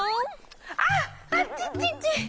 あっあっちちち！